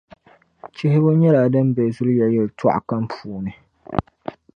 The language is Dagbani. chihibu nyɛla din be zuliya yɛlitɔɣa kam puuni.